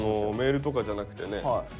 メールとかじゃなくてね